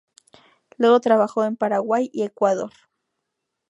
Luego trabajó en Paraguay y Ecuador.